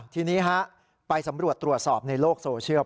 ทีนี้ไปสำรวจตรวจสอบในโลกโซเชียล